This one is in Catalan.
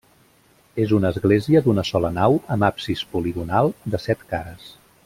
És una església d'una sola nau, amb absis poligonal, de set cares.